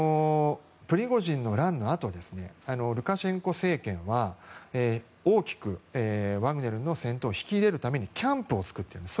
プリゴジンの乱のあとルカシェンコ政権は大きくワグネルの戦闘員を引き入れるためにキャンプを作ったんです。